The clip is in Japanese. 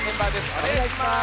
おねがいします。